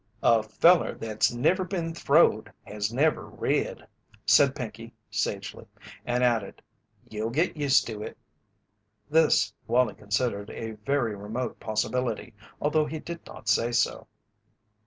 "A feller that's never been throwed has never rid," said Pinkey, sagely, and added: "You'll git used to it." This Wallie considered a very remote possibility, although he did not say so.